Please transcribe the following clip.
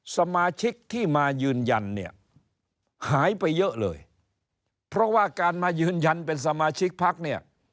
สมาชิกที่มายืนยันเนี่ยหายไปเยอะเลยเพราะว่าการมายืนยันเป็นสมาชิกพักเนี่ย